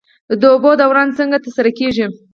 د اوبو دوران څنګه ترسره کیږي؟